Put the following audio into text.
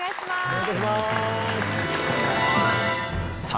お願いいたします。